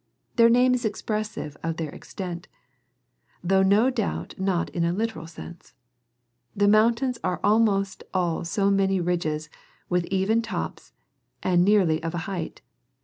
Their name is expressive of their extent, though no doubt not in a literal sense The mountains are almost all so many ridges with even tops and nearly of a height.